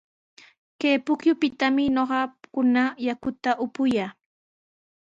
Kay pukyupitami ñuqakuna yakuta upuyaa.